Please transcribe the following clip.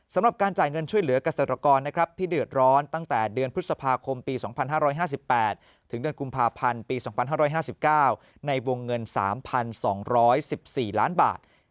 สำหรับการจ่ายเงินช่วยเหลือกเกษตรกรที่เดือดร้อนตั้งแต่เดือนพฤษภาคมปี๒๕๕๘ถึงเดือนกุมภาพันธ์ปี๒๕๕๙ในวงเงิน๓๒๑๔ล้านบาท